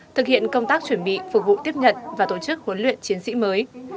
thực hiện công tác chuẩn bị phục vụ tiếp nhận và tổ chức huấn luyện chiến sĩ mới